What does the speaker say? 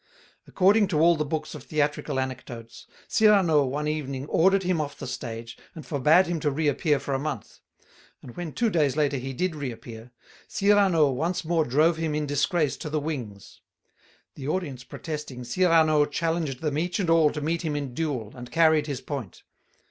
According to all the books of theatrical anecdotes, Cyrano one evening ordered him off the stage, and forbade him to reappear for a month; and when two days later he did reappear, Cyrano once more drove him in disgrace to the wings. The audience protesting, Cyrano challenged them each and all to meet him in duel, and carried his point.